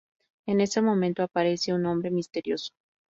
En ese momento, aparece un hombre misterioso.